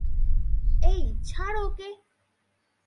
এই, ছাড় ওকে।